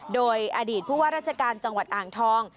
โดยอดีตผู้ว่าราชการจังหวัดอ่างทอง